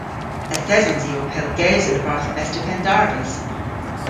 Yth esons i ow pellgewsel a-barth Mester Pendarves.